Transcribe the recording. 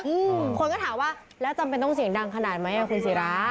อืมคนก็ถามว่าแล้วจำเป็นต้องเสียงดังขนาดไหมอ่ะคุณศิรา